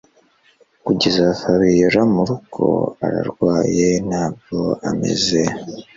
kugeza Fabiora murugo ararwaye ntabwo ameze